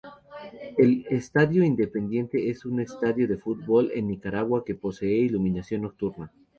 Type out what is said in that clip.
El Estadio Independencia es un estadio de fútbol en Nicaragua que posee iluminación nocturna.